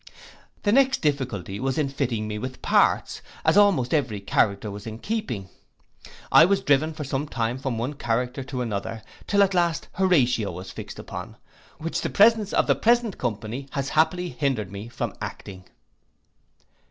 The next difficulty was in fitting me with parts, as almost every character was in keeping. I was driven for some time from one character to another, till at last Horatio was fixed upon, which the presence of the present company has happily hindered me from acting.